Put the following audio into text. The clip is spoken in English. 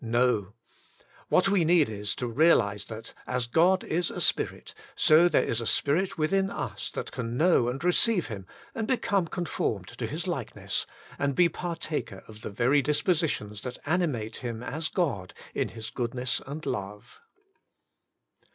Xo! what we need is, to realise that, as God is a Spirit, so there is a spirit within us that can know and receive Him and become conformed to His likeness, and be partaker of the very dispositions that animate Him as God in His goodness and love.